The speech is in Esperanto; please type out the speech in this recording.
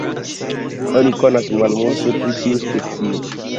Oni konas malmulte pri tiu specio.